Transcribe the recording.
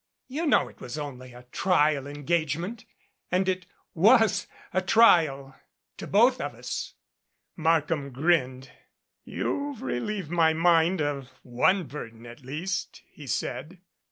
"You know it was only a trial engagement, and it was a trial to both of us." Markham grinned. "You've relieved my mind of one burden, at least," he said.